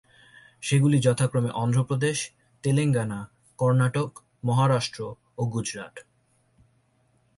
সেগুলি যথাক্রমে অন্ধ্রপ্রদেশ, তেলেঙ্গানা, কর্ণাটক, মহারাষ্ট্র ও গুজরাট।